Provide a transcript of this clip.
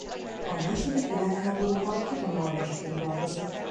A második világháborúban katonaorvosként dolgozott.